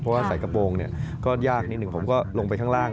เพราะว่าใส่กระโปรงก็ยากนิดหนึ่งผมก็ลงไปข้างล่าง